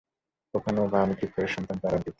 কখনো-বা আমি চুপ করে শুনতাম তার আবৃত্তি।